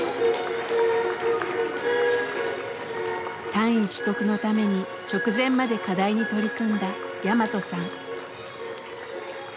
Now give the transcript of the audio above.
単位取得のために直前まで課題に取り組んだヤマトさん。